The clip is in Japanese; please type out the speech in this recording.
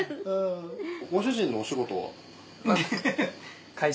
ご主人のお仕事は？